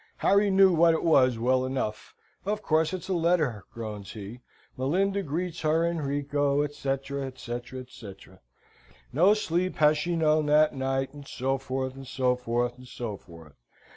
Harry knew what it was well enough. "Of course it's a letter," groans he. Molinda greets her Enrico, etc. etc. etc. No sleep has she known that night, and so forth, and so forth, and so forth.